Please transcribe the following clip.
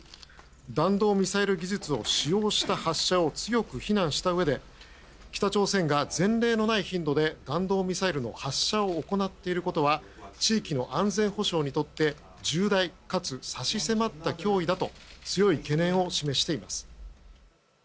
弾道ミサイル技術を使用した発射を強く非難したうえで北朝鮮が前例のない頻度で弾道ミサイルの発射を行っていることは地域の安全保障にとって重大かつ差し迫った脅威だと強い懸念を示しています。